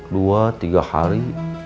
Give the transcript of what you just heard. dua tiga hari